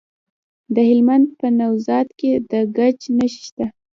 د هلمند په نوزاد کې د ګچ نښې شته.